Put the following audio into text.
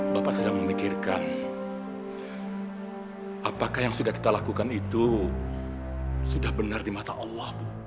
bapak sedang memikirkan apakah yang sudah kita lakukan itu sudah benar di mata allah bu